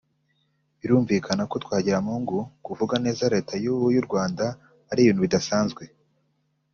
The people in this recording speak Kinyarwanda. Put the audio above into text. Birumvikana ko Twagiramungu kuvuga neza leta y’ubu y’u Rwanda ari ibintu bidasanzwe